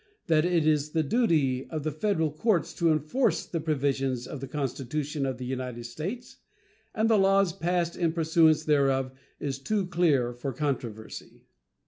That it is the duty of the Federal courts to enforce the provisions of the Constitution of the United States and the laws passed in pursuance thereof is too clear for controversy.